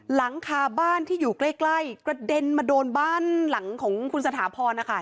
หลังคาบ้านที่อยู่ใกล้กระเด็นมาโดนบ้านหลังของคุณสถาพรนะคะ